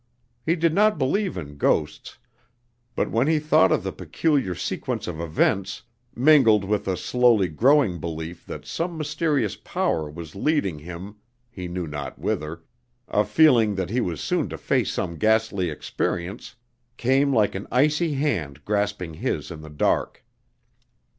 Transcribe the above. He did not believe in ghosts, but when he thought of the peculiar sequence of events, mingled with a slowly growing belief that some mysterious power was leading him he knew not whither a feeling that he was soon to face some ghastly experience, came like an icy hand grasping his in the dark.